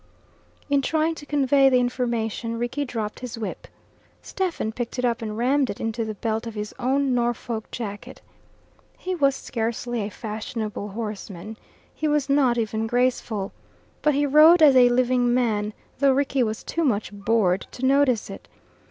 In trying to convey the information, Rickie dropped his whip. Stephen picked it up and rammed it into the belt of his own Norfolk jacket. He was scarcely a fashionable horseman. He was not even graceful. But he rode as a living man, though Rickie was too much bored to notice it.